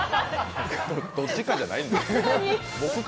どっちかじゃないんですか